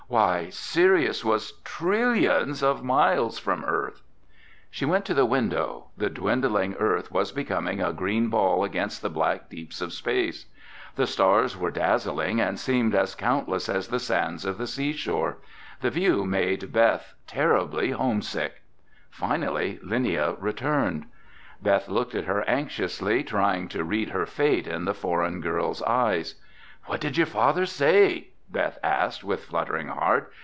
Why, Sirius was trillions of miles from Earth! She went to the window. The dwindling earth was becoming a green ball against the black deeps of space. The stars were dazzling and seemed as countless as the sands of the seashore. The view made Beth terribly homesick. Finally Linnia returned. Beth looked at her anxiously, trying to read her fate in the foreign girl's eyes. "What did your father say?" Beth asked, with fluttering heart.